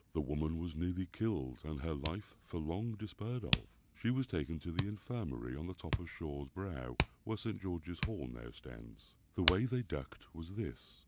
The woman was nearly killed, and her life for long despaired of. She was taken to the Infirmary, on the top of Shaw's Brow, where St. George's Hall now stands. The way they ducked was this.